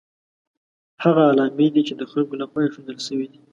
هغه علامې دي چې د خلکو له خوا ایښودل شوي دي.